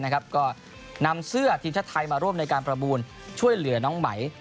ก็นำเสื้อทีมชาติไทยมาร่วมในการประมูลช่วยเหลือน้องไหม